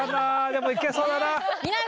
でも行けそうだな。